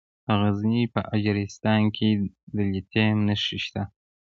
د غزني په اجرستان کې د لیتیم نښې شته.